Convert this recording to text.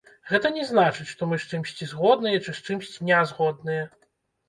Гэта не значыць, што мы з чымсьці згодныя ці з чымсьці нязгодныя.